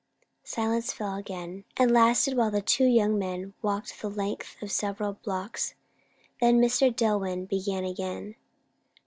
Silence fell again, and lasted while the two young men walked the length of several blocks. Then Mr. Dillwyn began again.